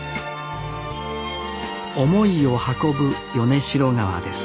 思いを運ぶ米代川です